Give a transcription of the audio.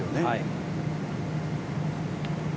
はい。